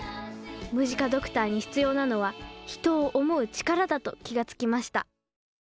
ムジカドクターに必要なのは人を思う力だと気が付きました